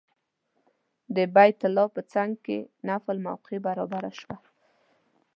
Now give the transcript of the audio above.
د بیت الله په څنګ کې نفل موقع برابره شوه.